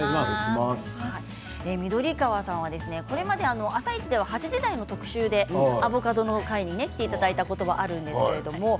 緑川さんは、これまで「あさイチ」では８時台の特集でアボカドの回に来ていただいたこともあります。